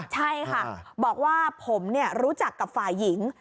ใช่ค่ะบอกว่าผมรู้จักกับฝ่ายหญิง